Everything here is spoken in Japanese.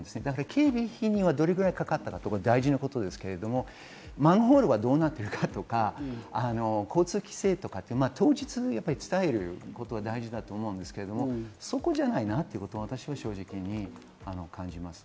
警備費にはどれくらいかかったとか、大事なことですけど、マンホールはどうなっているかとか、交通規制とか当日、伝えることは大事だと思うんですけど、そこじゃないなと私は正直感じます。